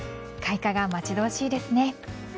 開花が待ち遠しいですね。